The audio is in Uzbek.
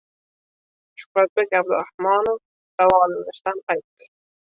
Shuhratbek Abdurahmonov davolanishdan qaytdi